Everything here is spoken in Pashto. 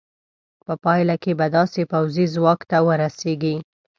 په پایله کې به داسې پوځي ځواک ته ورسېږې.